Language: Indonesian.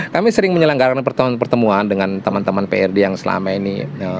kami sering menyelenggarakan pertemuan pertemuan dengan teman teman prd yang selama ini